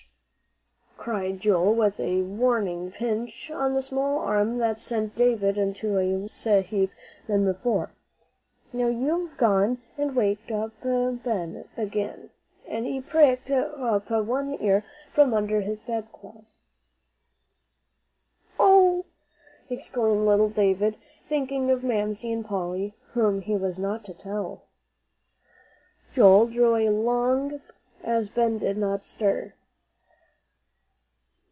_" cried Joel, with a warning pinch on the small arm that sent David into a worse heap than before. "Now, you've gone and waked Ben up again," and he pricked up one ear from under the bedclothes. "Oh!" exclaimed little David, thinking of Mamsie and Polly whom he was not to tell. Joel drew a long breath, as Ben did not stir.